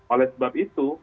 oleh sebab itu